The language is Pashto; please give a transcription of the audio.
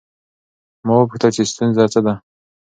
ما وپوښتل چې ستونزه څه ده؟